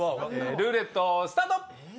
ルーレットスタート。